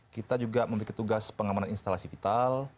kita juga memiliki tugas pengamanan instalasi vital